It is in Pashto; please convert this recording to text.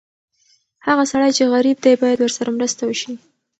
هغه سړی چې غریب دی، باید ورسره مرسته وشي.